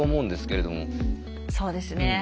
そうですね。